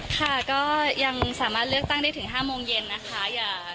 ค่ะก็ยังสามารถเลือกตั้งได้ถึง๕โมงเย็นนะคะ